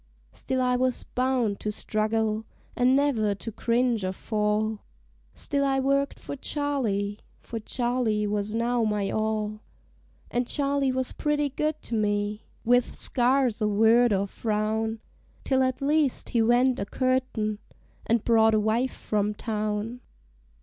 Still I was bound to struggle, an' never to cringe or fall Still I worked for Charley, for Charley was now my all; And Charley was pretty good to me, with scarce a word or frown, Till at last he went a courtin', and brought a wife from town.